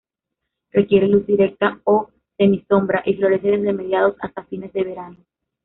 Requiere luz directa o semisombra y florece desde mediados hasta fines de verano.